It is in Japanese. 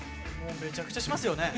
めちゃくちゃしますよね。